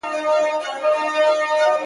• هلته مي هم نوي جامې په تن کي نه درلودې -